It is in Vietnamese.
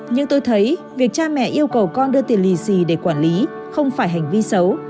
nhưng tôi thấy việc cha mẹ yêu cầu con đưa tiền lì xì để quản lý không phải hành vi xấu